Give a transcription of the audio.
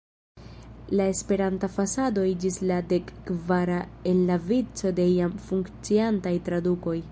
La Esperanta fasado iĝis la dek-kvara en la vico de jam funkciantaj tradukoj.